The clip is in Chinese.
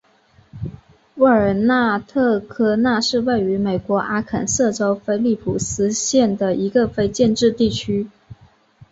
沃尔纳特科纳是位于美国阿肯色州菲利普斯县的一个非建制地区。